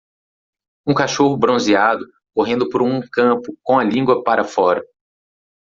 um cachorro bronzeado correndo por um campo com a língua para fora